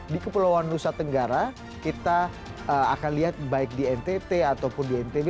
di kepulauan nusa tenggara kita akan lihat baik di ntt ataupun di ntb